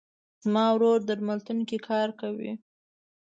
زما ورور درملتون کې کار کوي.